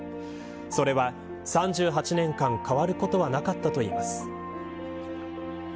それは３８年間、変わることはなかったといいます。